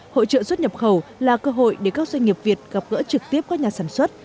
hội trợ xuất nhập khẩu là cơ hội để các doanh nghiệp việt gặp gỡ trực tiếp các nhà sản xuất